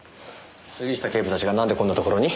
杉下警部たちがなんでこんなところに？